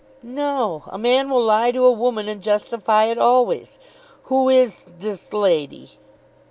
"No; a man will lie to a woman, and justify it always. Who is this lady?"